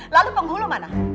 lalu penghulu mana